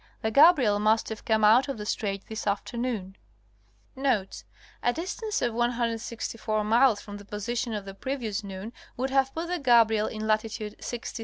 (The Gabriel must have come out of the strait this afternoon). Notes.—A distance of 164 miles from the position of the previous noon would have put the Gabriel in latitude 63° 38'.